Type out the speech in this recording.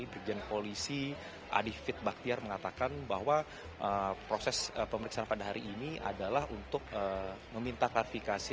brigjen polisi adi fit baktiar mengatakan bahwa proses pemeriksaan pada hari ini adalah untuk meminta klarifikasi